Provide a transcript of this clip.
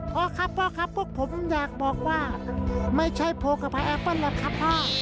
พ่อครับพ่อครับพวกผมอยากบอกว่าไม่ใช่โพลกับพายแอเปิ้ลหรอกครับพ่อ